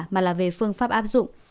mà là về phương pháp áp dụng